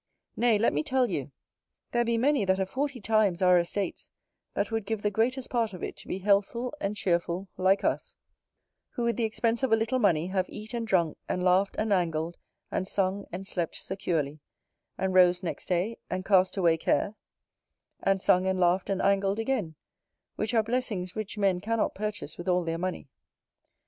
Nay, let me tell you, there be many that have forty times our estates, that would give the greatest part of it to be healthful and cheerful like us, who, with the expense of a little money, have eat and drunk, and laughed, and angled, and sung, and slept securely; and rose next day and cast away care, and sung, and laughed, and angled again; which are blessings rich men cannot purchase with all their money.